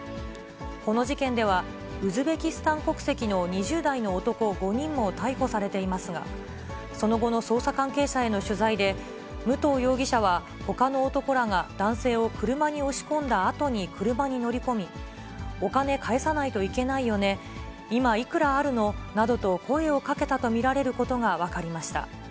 この事件では、ウズベキスタン国籍の２０代の男５人も逮捕されていますが、その後の捜査関係者への取材で、武藤容疑者はほかの男らが男性を車に押し込んだあとに車に乗り込み、お金返さないといけないよね、今いくらあるのなどと声をかけたと見られることが分かりました。